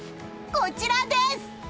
こちらです！